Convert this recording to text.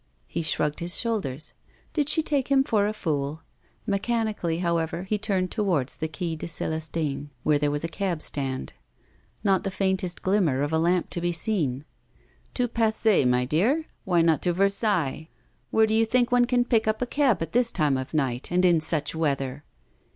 He shrugged his shoulders. Did she take him for a fool? Mechanically, however, he turned towards the Quai des Célestins, where there was a cabstand. Not the faintest glimmer of a lamp to be seen. 'To Passy, my dear? Why not to Versailles? Where do you think one can pick up a cab at this time of night, and in such weather?